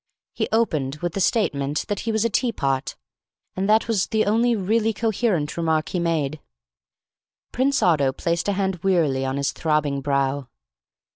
He opened with the statement that he was a tea pot: and that was the only really coherent remark he made. Prince Otto placed a hand wearily on his throbbing brow.